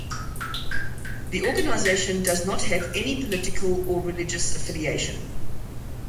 The organization does not have any political or religious affiliation.